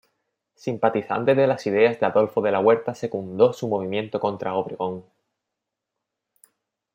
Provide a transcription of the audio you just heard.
Simpatizante de las ideas de Adolfo de la Huerta secundó su movimiento contra Obregón.